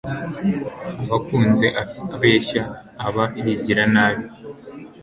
ubakunze atabeshya aba yigira nabi